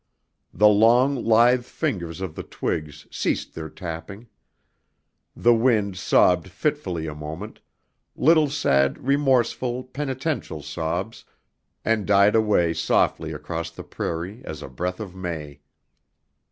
The long lithe fingers of the twigs ceased their tapping. The wind sobbed fitfully a moment, little sad remorseful penitential sobs, and died away softly across the prairie as a breath of May.